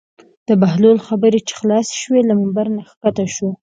د بهلول خبرې چې خلاصې شوې له ممبر نه کښته شو.